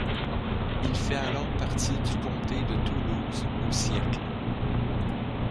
Il fait alors partie du comté de Toulouse au siècle.